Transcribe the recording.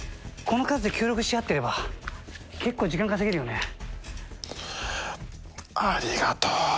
この数で協力し合ってれば結構時間稼げるよね。